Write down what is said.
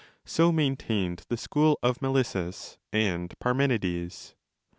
So maintained the school of Melissus and Parmenides.